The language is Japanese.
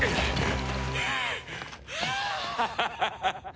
ハハハハッ！